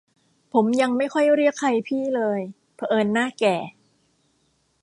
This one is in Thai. ผม ยังไม่ค่อยเรียกใครพี่เลย เผอิญหน้าแก่